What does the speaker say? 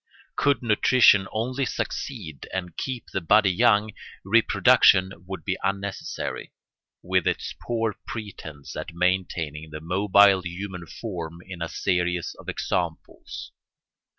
Could nutrition only succeed and keep the body young, reproduction would be unnecessary, with its poor pretence at maintaining the mobile human form in a series of examples.